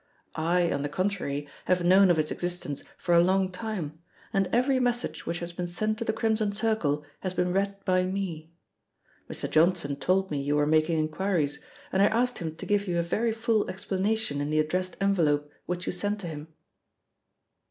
I, on the contrary, have known of its existence for a long time, and every message which has been sent to the Crimson Circle has been read by me. Mr. Johnson told me you were making inquiries, and I asked him to give you a very full explanation in the addressed envelope which you sent to him."